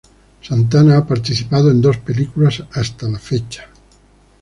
Santana ha participado en dos películas hasta la fecha.